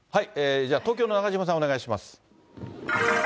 じゃあ、東京の中島さん、お願いします。